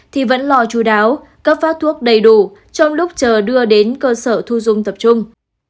thì vẫn lo chú đáo cấp phát thuốc đầy đủ trong lúc chờ đưa đến cơ sở thu dung tập trung